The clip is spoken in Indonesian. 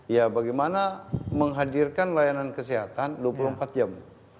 ya bagaimana menghadirkan layanan kesehatan dua puluh empat jam